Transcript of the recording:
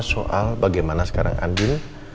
soal bagaimana sekarang andin